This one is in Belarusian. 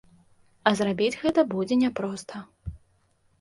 А зрабіць гэта будзе няпроста.